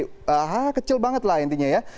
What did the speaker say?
aha kecil banget lah intinya ya